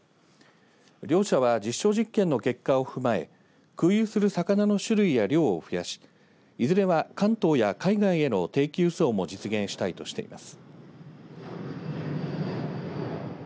両社は実証実験の結果を踏まえ空輸する魚の種類や量を増やしいずれは関東や海外への定期輸送も実現したいとしています。